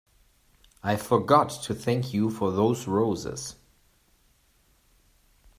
I forgot to thank you for those roses.